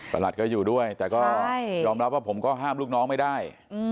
หลัดก็อยู่ด้วยแต่ก็ยอมรับว่าผมก็ห้ามลูกน้องไม่ได้